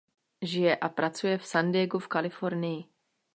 Žije a pracuje v San Diegu v Kalifornii.